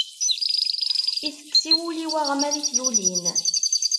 Itekkes i wul-iw aɣmal i t-yulin.